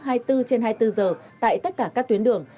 công tác hai mươi bốn trên hai mươi bốn giờ tại tất cả các tuyến đường